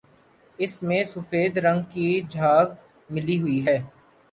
اس میں سفید رنگ کی جھاگ ملی ہوئی ہے